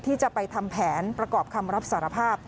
ที่จะไปทำแผนประกอบคำรับสารภาพ